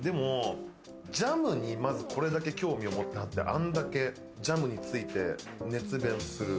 ジャムにこれだけ興味をもってはって、あんだけジャムについて熱弁する。